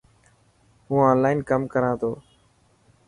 هون اونلان ڪم ڪران ٿو.